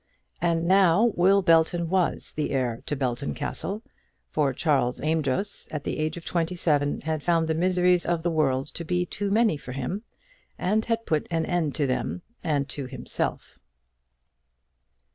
And now Will Belton was the heir to Belton Castle; for Charles Amedroz, at the age of twenty seven, had found the miseries of the world to be too many for him, and had put an end to them and to himself.